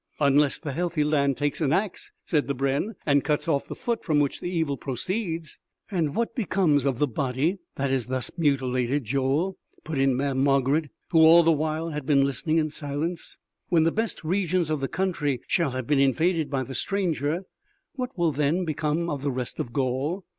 "Unless the healthy hand take an axe," said the brenn, "and cut off the foot from which the evil proceeds." "And what becomes of the body that is thus mutilated, Joel?" put in Mamm' Margarid who all the while had been listening in silence. "When the best regions of the country shall have been invaded by the stranger, what will then become of the rest of Gaul?